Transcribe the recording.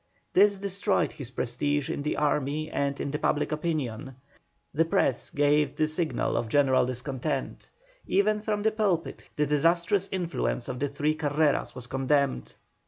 This destroyed his prestige in the army and in public opinion; the Press gave the signal of general discontent; even from the pulpit the disastrous influence of the three Carreras was condemned.